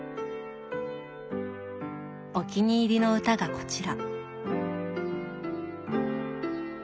お気に入りの歌がこちら。